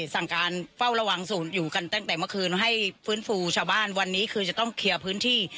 สั่งการเฝ้าระวังศูนย์อยู่กันตั้งแต่เมื่อคืนให้ฟื้นฟูชาวบ้านวันนี้คือจะต้องเคลียร์พื้นที่